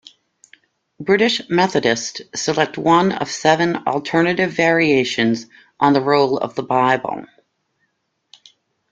British Methodists select one of seven alternative variations on the role of the Bible.